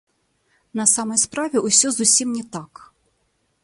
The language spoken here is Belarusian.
На самай справе ўсё зусім не так.